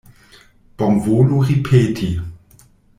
Bonvolu ripeti.